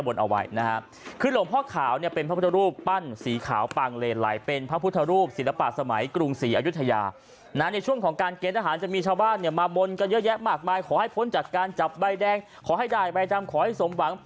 ใบแดงขอให้ได้ใบดำขอให้สมหวัง